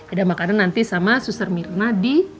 ada makanan nanti sama suster mirna di